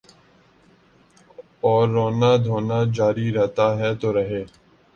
اوررونا دھونا جاری رہتاہے تو رہے۔